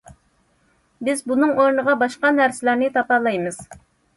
بىز بۇنىڭ ئورنىغا باشقا نەرسىلەرنى تاپالايمىز.